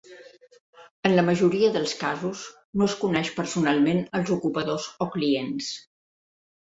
En la majoria dels casos no es coneix personalment als ocupadors o clients.